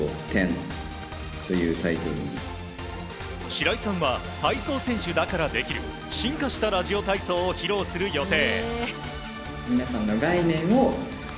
白井さんは体操選手だからこそできる進化したラジオ体操を披露する予定。